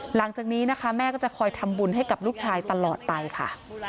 หลังจากนี้นะคะแม่ก็จะคอยทำบุญให้กับลูกชายตลอดไปค่ะ